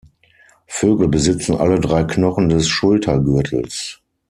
Vögel besitzen alle drei Knochen des Schultergürtels.